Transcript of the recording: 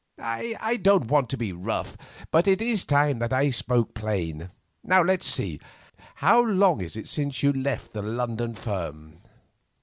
I don't want to be rough, but it is time that I spoke plain. Let's see, how long is it since you left the London firm?"